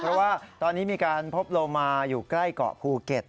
เพราะว่าตอนนี้มีการพบโลมาอยู่ใกล้เกาะภูเก็ต